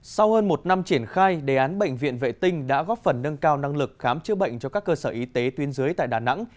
sau hơn một năm triển khai đề án bệnh viện vệ tinh đã góp phần nâng cao năng lực khám chữa bệnh cho các cơ sở y tế tuyên dưới tại đà nẵng